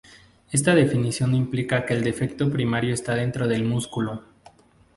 Esta definición implica que el defecto primario está dentro del músculo.